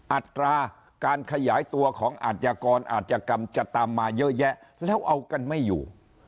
อัตราการขยายตัวของอาจยากรอาจกรรมจะตามมาเยอะแยะแล้วเอากันไม่อยู่